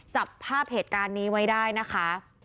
จับภาพเหตุการณ์นี้ไว้ได้นะคะ